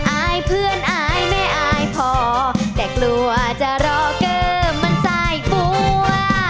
อายเพื่อนอายแม่อายพอแต่กลัวจะรอเกอร์มันสายกลัว